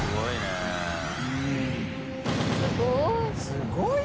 すごい！